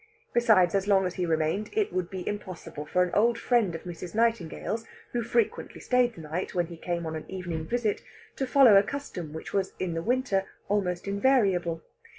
Besides, as long as he remained, it would be impossible for an old friend of Mrs. Nightingale's, who frequently stayed the night, when he came on an evening visit, to follow a custom which was in the winter almost invariable.